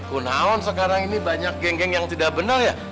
gunawan sekarang ini banyak geng geng yang tidak benar ya